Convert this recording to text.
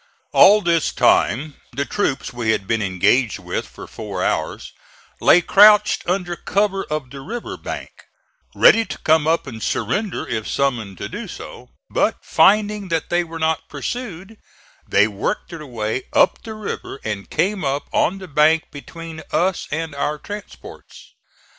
All this time the troops we had been engaged with for four hours, lay crouched under cover of the river bank, ready to come up and surrender if summoned to do so; but finding that they were not pursued, they worked their way up the river and came up on the bank between us and our transports.